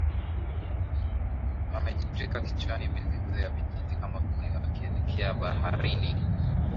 Wamejitwika kichwani mizigo ya vijiti kama kuni wakielekea baharini